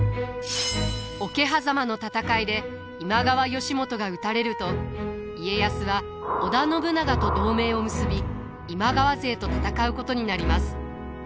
桶狭間の戦いで今川義元が討たれると家康は織田信長と同盟を結び今川勢と戦うことになります。